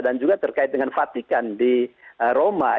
dan juga terkait dengan fatikan di roma